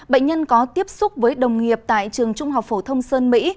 bệnh nhân có tiếp xúc với đồng nghiệp tại trường trung học phổ thông sơn mỹ